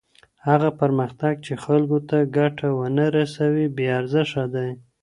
هغه پرمختګ چی خلګو ته ګټه ونه رسوي بې ارزښته دی.